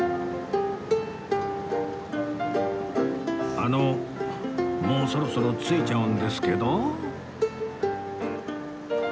あのもうそろそろ着いちゃうんですけど？